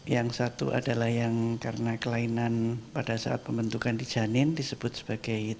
yang satu adalah yang karena kelainan pada saat pembentukan di janin disebut sebagai